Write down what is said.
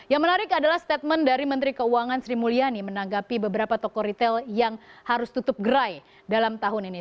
yang menarik adalah statement dari menteri keuangan sri mulyani menanggapi beberapa toko retail yang harus tutup gerai dalam tahun ini